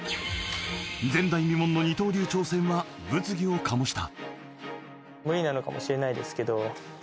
前代未聞の二刀流挑戦は物議を醸した。